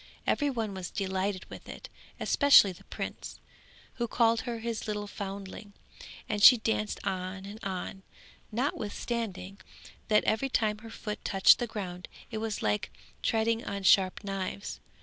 Every one was delighted with it, especially the prince, who called her his little foundling; and she danced on and on, notwithstanding that every time her foot touched the ground it was like treading on sharp knives.